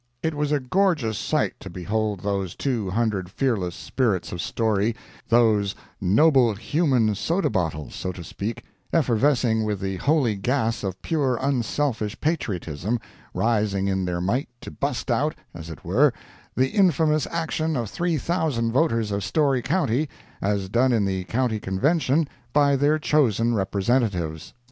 It was a gorgeous sight to behold those two hundred fearless spirits of Storey—those noble human soda bottles, so to speak, effervescing with the holy gas of pure unselfish patriotism, rising in their might to bust out, as it were, the infamous action of 3,000 voters of Storey county, as done in the County Convention by their chosen representatives.